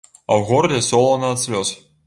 А ў горле солана ад слёз.